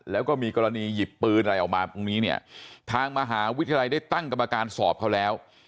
แล้วก็มีกรณีหยิบปืนอะไรออกมาตรงนี้เนี่ยทางมหาวิทยาลัยได้ตั้งกรรมการสอบเขาแล้ว